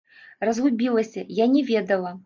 Разгубілася, я не ведала!